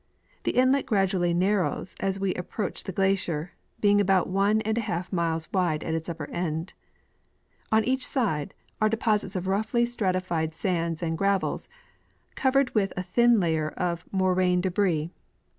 The inlet gradually nar rows as we approach the glacier, being about one and a half miles wide at its upper end. On each side are deposits of roughly stratified sands and gravels, covered with a thin layer of moraine debris.